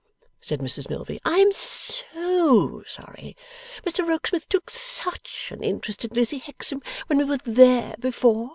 said Mrs Milvey, 'I am SO sorry! Mr Rokesmith took SUCH an interest in Lizzie Hexam, when we were there before.